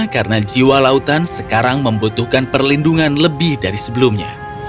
karena jiwa lautan sekarang membutuhkan perlindungan lebih dari sebelumnya